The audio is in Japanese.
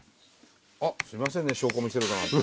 あっすいませんね証拠見せろだなんて。